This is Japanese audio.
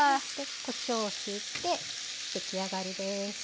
こしょうをひいて出来上がりです。